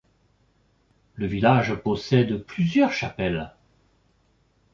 Le village possède plusieurs chapelles.